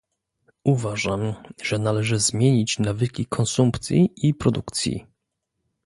Uważam, że należy zmienić nawyki konsumpcji i produkcji